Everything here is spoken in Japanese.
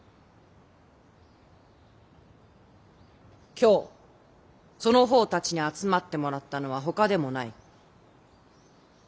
今日その方たちに集まってもらったのはほかでもない。